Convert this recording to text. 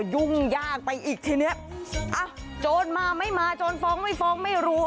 ยุ่งยากไปอีกทีนี้อ่ะโจรมาไม่มาโจรฟ้องไม่ฟ้องไม่รู้